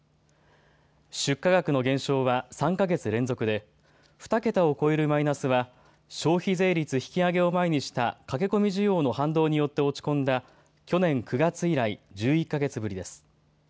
出荷額の減少は３か月連続で２桁を超えるマイナスは消費税率引き上げを前にした駆け込み需要の反動によって落ち込んだ去年９月以来、１１か月ぶりです。